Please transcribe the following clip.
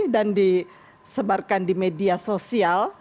dan disebarkan di media sosial